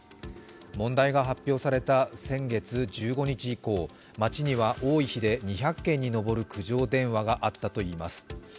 問題が発表された先月１５日以降、町には多い日で２００件に上る苦情電話があったといいます。